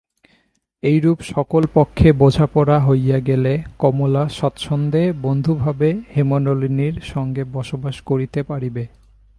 এইরূপ সকল পক্ষে বোঝাপড়া হইয়া গেলে কমলা স্বচ্ছন্দে বন্ধুভাবে হেমনলিনীর সঙ্গেই বাস করিতে পারিবে।